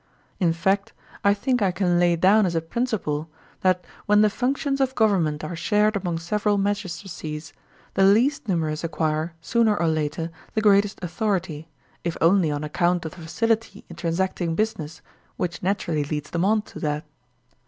In fact, I think I can lay down as a principle that when the functions of government are shared among several magistracies, the least numerous acquire, sooner or later, the greatest authority, if only on account of the facility in transacting business which naturally leads them on to that.